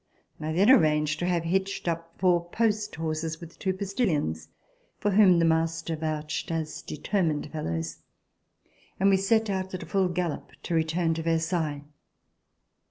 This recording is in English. I then arranged to have hitched up four post horses with two postilions, for whom the master vouched as determined fellows, and we set out at a full gallop to return to Versailles.